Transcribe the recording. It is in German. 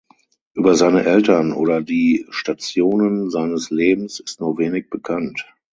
Über seine Eltern oder die Stationen seines Lebens ist nur wenig bekannt.